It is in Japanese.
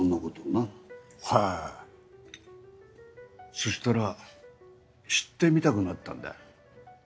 そしたら知ってみたくなったんだ。